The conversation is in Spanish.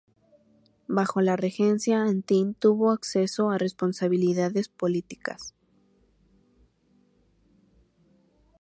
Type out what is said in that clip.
Bajo la Regencia, Antin, tuvo acceso a responsabilidades políticas.